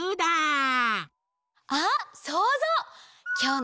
あっそうぞう！